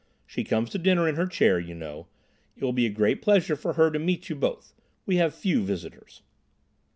She comes to dinner in her chair, you know. It will be a great pleasure to her to meet you both. We have few visitors."